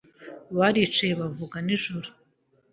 Baricaye bavuga nijoro.